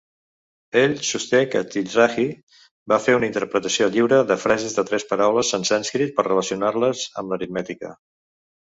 Ell sosté que Tirthaji va fer una interpretació lliure de frases de tres paraules en sànscrit per relacionar-les amb l'aritmètica.